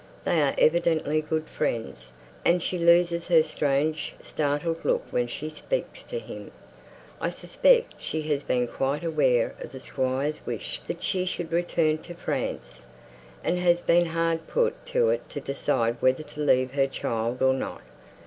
They are evidently good friends; and she loses her strange startled look when she speaks to him. I suspect she has been quite aware of the Squire's wish that she should return to France; and has been hard put to it to decide whether to leave her child or not.